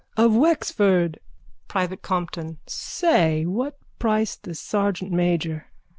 Of Wexford. PRIVATE COMPTON: Say! What price the sergeantmajor?